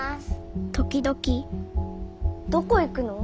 時々どこ行くの？